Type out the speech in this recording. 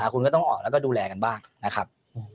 คุณก็ต้องออกแล้วก็ดูแลกันบ้างนะครับ